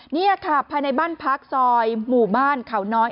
นี่ค่ะภายในบ้านพักซอยหมู่บ้านเขาน้อย